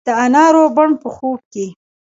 د انارو بڼ په خوب کې